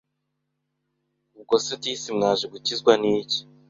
Ubwo se disi mwaje gukizwa n'iki